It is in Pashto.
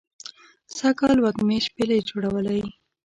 سږ کال وږمې شپیلۍ جوړوی